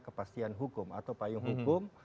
kepastian hukum atau payung hukum